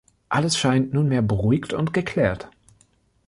Alles scheint nunmehr beruhigt und geklärt.